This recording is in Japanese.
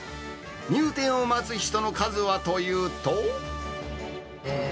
入店を待つ人の数はというと。